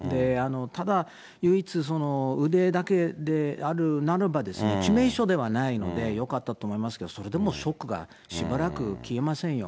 ただ、唯一、腕だけであるならばですね、致命傷ではないので、よかったと思いますけど、それでもショックがしばらく消えませんよ。